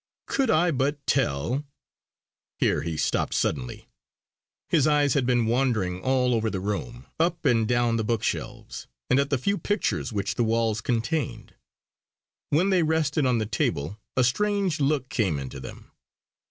Could I but tell...." Here he stopped suddenly. His eyes had been wandering all over the room, up and down the bookshelves, and at the few pictures which the walls contained. When they rested on the table, a strange look came into them.